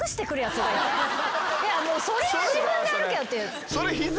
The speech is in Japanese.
それは自分で歩けよっていう。